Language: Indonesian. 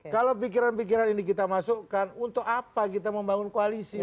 kalau pikiran pikiran ini kita masukkan untuk apa kita membangun koalisi